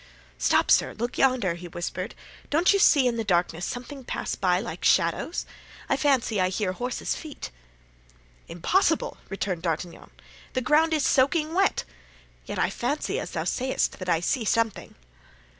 "Stop, sir, look yonder," he whispered; "don't you see in the darkness something pass by, like shadows? I fancy I hear horses' feet." "Impossible!" returned D'Artagnan. "The ground is soaking wet; yet I fancy, as thou sayest, that I see something."